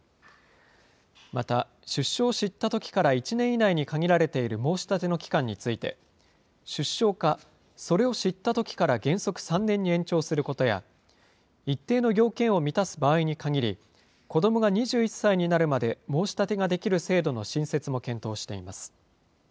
また、出生を知ったときから１年以内に限られている申し立ての期間について、出生か、それを知ったときから原則３年に延長することや、一定の要件を満たす場合に限り、子どもが２１歳になるまで申し立てができる制度の新設も検討しています。